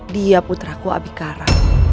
dia putraku abikara